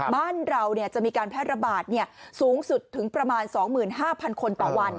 บ้านเราจะมีการแพร่ระบาดสูงสุดถึงประมาณ๒๕๐๐คนต่อวัน